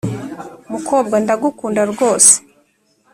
mukobwa ndagukunda rwose